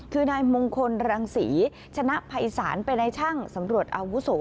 คือนายมงคลรังศรีชนะภัยศาลเป็นนายช่างสำรวจอาวุโส